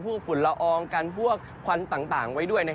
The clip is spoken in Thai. กันฟุผุลละอองกันฮวกควันต่างไว้ด้วย